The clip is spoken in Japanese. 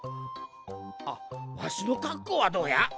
あわしのかっこうはどうや？